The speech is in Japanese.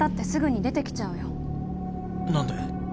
何で？